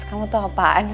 kamu tau apaan sih